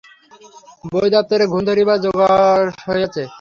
বই দপ্তরে ঘুণ ধরিবার জোগাড়গ হইয়াছে।